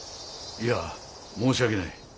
いや申し訳ない。